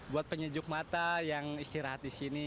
buat penyejuk mata yang istirahat di sini